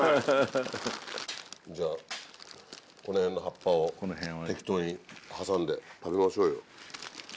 じゃあこの辺の葉っぱを適当に挟んで食べましょうよ。